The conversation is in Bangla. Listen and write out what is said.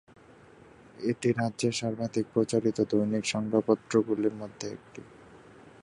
এটি রাজ্যের সর্বাধিক প্রচারিত দৈনিক সংবাদপত্রগুলির মধ্যে একটি।